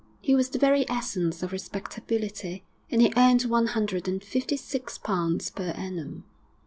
He was the very essence of respectability, and he earned one hundred and fifty six pounds per annum.